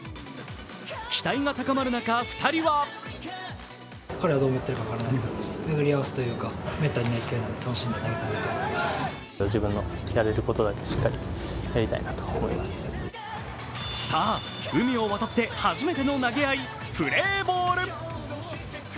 期待が高まる中、２人はさあ海を渡って初めての投げ合い、プレーボール！